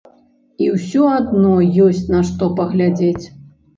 І ўсё адно ёсць на што паглядзець.